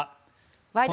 「ワイド！